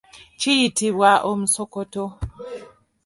Kiyitibwa omusokoto.